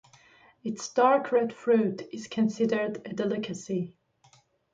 Its dark red fruit is considered a delicacy.